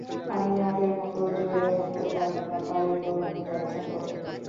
আমি আগের মত জোরে হাঁটতে পারি না, পায়ের গোরালি ব্যথা করে।